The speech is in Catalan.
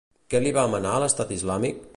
Què li va manar l'Estat Islàmic?